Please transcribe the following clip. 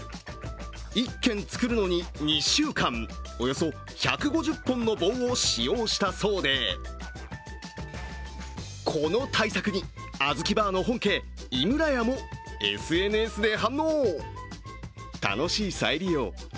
１軒作るのに２週間、およそ１５０本の棒を使用したそうで、この大作にあずきバーの本家、井村屋もＳＮＳで反応。